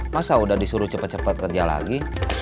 masa udah disuruh cepat cepat kerja lagi